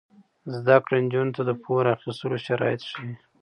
زده کړه نجونو ته د پور اخیستلو شرایط ښيي.